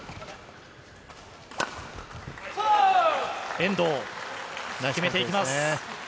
遠藤、決めていきます。